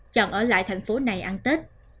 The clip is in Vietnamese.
chọn ở lại thành phố này ăn tết